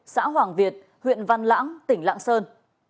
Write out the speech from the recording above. xã hoàng việt huyện văn lãng tỉnh lạng sơn